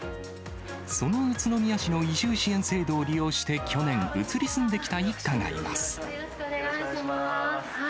その宇都宮市の移住支援制度を利用して去年、移り住んできた一家よろしくお願いします。